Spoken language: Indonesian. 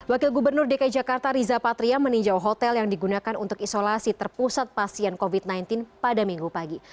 wakil gubernur dki jakarta riza patria meninjau hotel yang digunakan untuk isolasi terpusat pasien covid sembilan belas pada minggu pagi